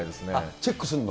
チェックすんの？